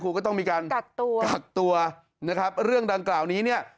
คู่ก็ต้องมีการกัดตัวนะครับเรื่องดังกล่าวนี้เนี่ย